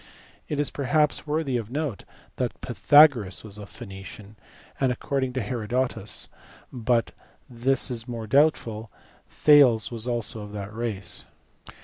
It is perhaps worthy of note that EARLY EGYPTIAN ARITHMETIC. 3 Pythagoras was a Phoenician ; and according to Herodotus, but this is more doubtful, Thales was also of that race.